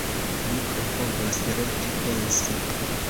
Mi klopodos ree pensi.